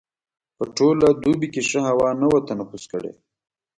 په ټوله دوبي کې ښه هوا نه وه تنفس کړې.